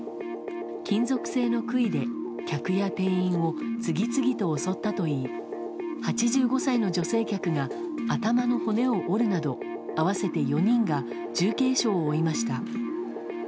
金属製の杭で客や店員を次々と襲ったといい８５歳の女性客が頭の骨を折るなど合わせて４人が重軽傷を負いました。